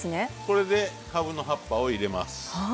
これでかぶの葉っぱを入れます。